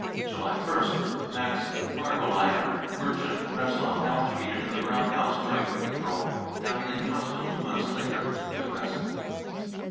July i st. max margoliner, merchant, Breslau, maltreated in tlii Brown House during April, died in hospital two months later] (Witness.)